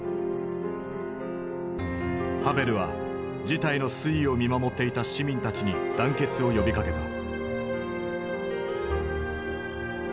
ハヴェルは事態の推移を見守っていた市民たちに団結を呼びかけた。